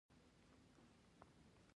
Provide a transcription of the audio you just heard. سهار د ګل پاڼو موسکا ده.